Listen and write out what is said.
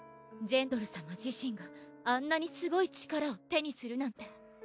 ジェンドル様自身があんなにすごい力を手にするなんて。